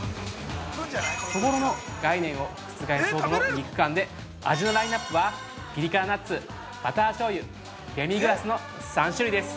◆そぼろの概念を覆すほどの肉感で、味のラインナップはピリ辛ナッツ、バター醤油、デミグラスの３種類です。